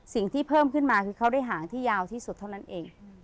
สิ่งที่เพิ่มขึ้นมาคือเขาได้หางที่ยาวที่สุดเท่านั้นเอง